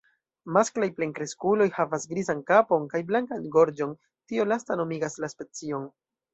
Masklaj plenkreskuloj havas grizan kapon kaj blankan gorĝon, tio lasta nomigas la specion.